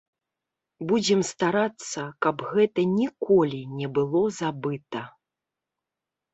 Будзем старацца, каб гэта ніколі не было забыта.